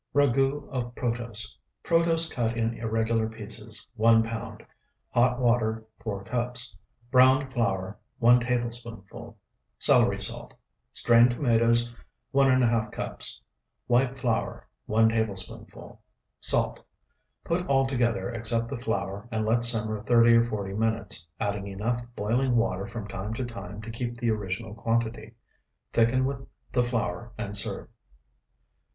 RAGOUT OF PROTOSE Protose cut in irregular pieces, 1 pound. Hot water, 4 cups. Browned flour, 1 tablespoonful. Celery salt. Strained tomatoes, 1½ cups. White flour, 1 tablespoonful. Salt. Put all together, except the flour, and let simmer thirty or forty minutes, adding enough boiling water from time to time to keep the original quantity. Thicken with the flour, and serve.